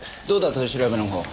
取り調べのほうは。